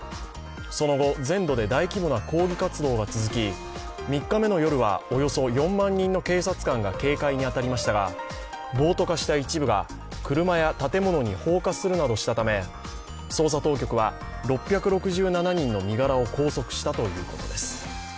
その後、全土で大規模な抗議活動が続き、３日目の夜はおよそ４万人の警察官が警戒に当たりましたが暴徒化した一部が、車や建物に放火するなどしたため、捜査当局は６６７人の身柄を拘束したということです。